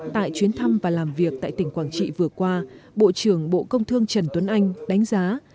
tại chuyến thăm và làm việc tại tỉnh quảng trị vừa qua bộ trưởng bộ công thương trần tuấn anh đánh giá